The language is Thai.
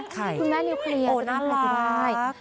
คุณแม่นิวเคลียร์โอ้น่ารัก